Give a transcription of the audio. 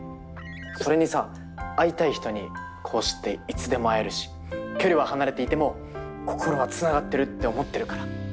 それにさ会いたい人にこうしていつでも会えるし距離は離れていても心はつながってるって思ってるから。